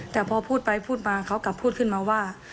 แต่พอพูดไปพูดมาเขากลับพูดขึ้นมาว่า